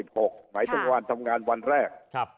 หมายถึงวันทำงานวันแรก